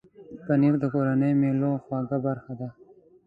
پنېر د کورنۍ مېلو خوږه برخه ده.